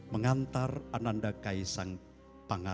mengantar ananda kaisang pangar